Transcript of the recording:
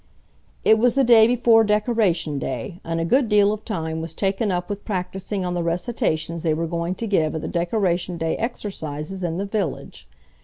It was the day before Decoration Day and a good deal of time was taken up with practising on the recitations they were going to give at the Decoration Day exercises in the village.